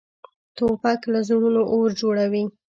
توپک له زړونو اور جوړوي.